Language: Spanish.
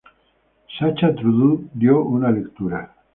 Sacha Trudeau dio una lectura.